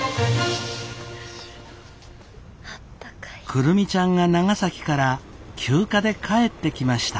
久留美ちゃんが長崎から休暇で帰ってきました。